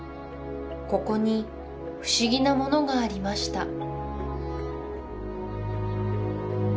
ここに不思議なものがありました